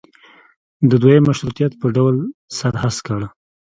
د دویم مشروطیت په ډول سر هسک کړ.